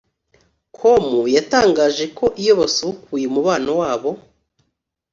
com yatangaje ko iyo basubukuye umubano wabo